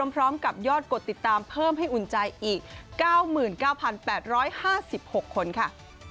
พร้อมกับยอดกดติดตามเพิ่มให้อุ่นใจอีก๙๙๘๕๖คนค่ะ